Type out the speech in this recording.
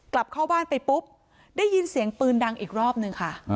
กลับเข้าบ้านไปปุ๊บได้ยินเสียงปืนดังอีกรอบนึงค่ะ